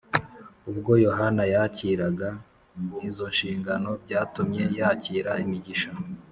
ubwo yohana yakiraga izonshingano byatumye yakira imigisha